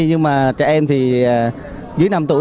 nhưng mà trẻ em thì dưới năm tuổi